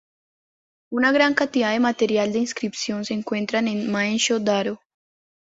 Una gran cantidad de material de inscripción se encuentran en Moensho-Daro.